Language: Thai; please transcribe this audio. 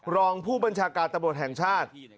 รองผู้บัญชาการการบริโภคแห่งชาติ